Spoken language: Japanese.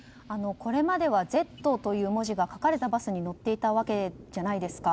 これまでは「Ｚ」という文字が書かれていたバスに乗っていたわけじゃないですか。